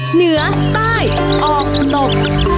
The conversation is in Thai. เหนือใต้ออกตก